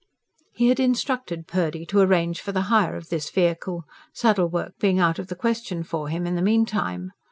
He had instructed Purdy to arrange for the hire of this vehicle, saddle work being out of the question for him in the meantime.